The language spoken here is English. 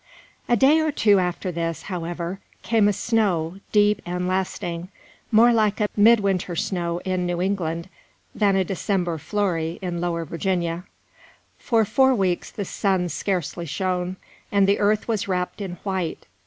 A day or two after this, however, came a snow, deep and lasting, more like a midwinter snow in New England than a December flurry in lower Virginia. For four weeks the sun scarcely shone, and the earth was wrapped in white.